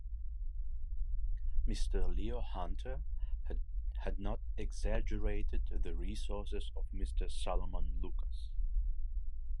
Mr. Leo Hunter had not exaggerated the resources of Mr. Solomon Lucas.